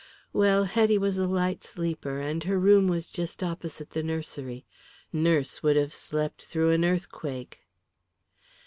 Well, Hetty was a light sleeper, and her room was just opposite the nursery. Nurse would have slept through an earthquake.